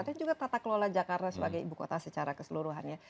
dan juga tata kelola jakarta sebagai ibukota secara keseluruhannya